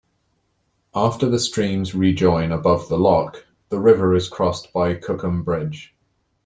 After the streams rejoin above the lock, the river is crossed by Cookham Bridge.